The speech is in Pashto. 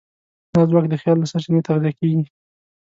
دا ځواک د خیال له سرچینې تغذیه کېږي.